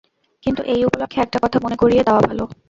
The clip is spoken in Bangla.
কিন্তু এই উপলক্ষে একটা কথা মনে করিয়ে দেওয়া ভালো।